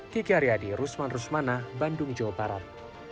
kiki aryadi rusman rusmana bandung jawa barat